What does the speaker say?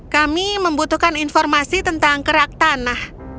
kami membutuhkan informasi tentang krakthana